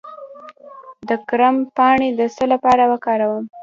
د کرم پاڼې د څه لپاره وکاروم؟